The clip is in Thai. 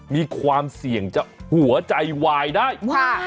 มีความเสี่ยงจะหัวใจวายได้